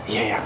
tidak ada apa